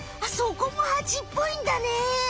そこもハチっぽいんだね！